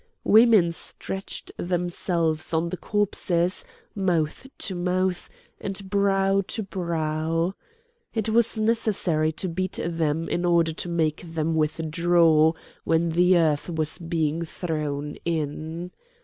Women stretched themselves on the corpses, mouth to mouth and brow to brow; it was necessary to beat them in order to make them withdraw when the earth was being thrown in.